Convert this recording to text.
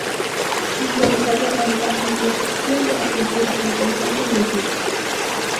Interesado en la intersección de la cultura, el paisaje y el tiempo.